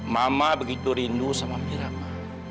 mama begitu rindu sama mira ma